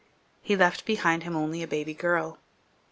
He left behind him only a baby girl.